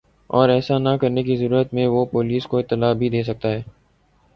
اور ایسا نہ کرنے کی صورت میں وہ پولیس کو اطلاع بھی دے سکتا ہے